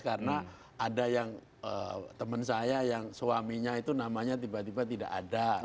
karena ada yang teman saya yang suaminya itu namanya tiba tiba tidak ada